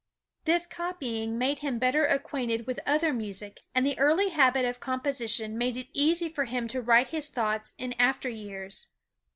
This copying made him better acquainted with other music, and the early habit of composition made it easy for him to write his thoughts in after years.